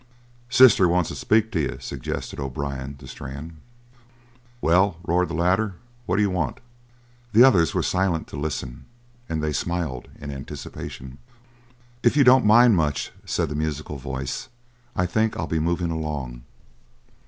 "Sister wants to speak to you," suggested O'Brien to Strann. "Well?" roared the latter, "what d'you want?" The others were silent to listen; and they smiled in anticipation. "If you don't mind, much," said the musical voice, "I think I'll be moving along."